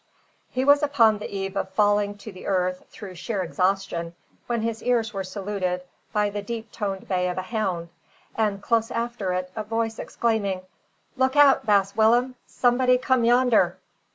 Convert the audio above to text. He was upon the eve of falling to the earth through sheer exhaustion, when his ears were saluted by the deep toned bay of a hound, and close after it a voice exclaiming "Look out, Baas Willem! Somebody come yonder!"